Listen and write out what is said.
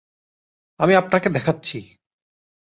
আমি আপনাকে দেখাচ্ছি।